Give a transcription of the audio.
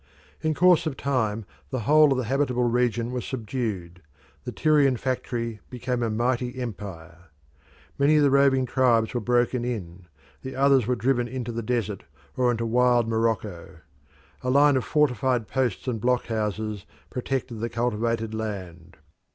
In course of time the whole of the habitable region was subdued; the Tyrian factory became a mighty empire. Many of the roving tribes were broken in; the others were driven into the desert or into wild Morocco. A line of fortified posts and block houses protected the cultivated land.